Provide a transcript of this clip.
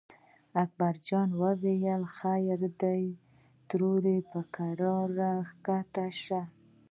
اکبر جان وویل: خیر دی ترور په کراره راکښته شه.